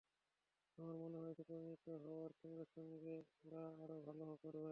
আমার মনে হয়েছে, পরিণত হওয়ার সঙ্গে সঙ্গে ওরা আরও ভালো করবে।